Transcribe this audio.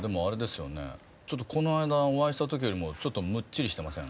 この間お会いした時よりもちょっとムッチリしてません？